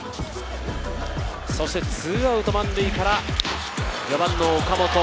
そして２アウト満塁から４番の岡本。